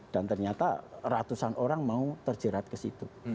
dan ternyata ratusan orang mau terjerat ke situ